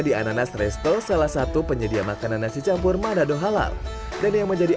di ananas resto salah satu penyedia makanan nasi campur manado halal dan yang menjadi